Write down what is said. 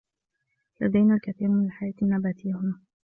لدينا الكثير من الحياة النّباتيّة هنا.